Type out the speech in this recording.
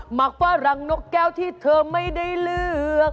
หมักฝรั่งนกแก้วที่เธอไม่ได้เลือก